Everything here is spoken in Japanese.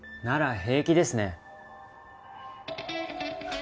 なら平気ですね。